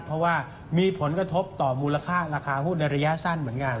เพราะว่ามีผลกระทบต่อมูลค่าราคาหุ้นในระยะสั้นเหมือนกัน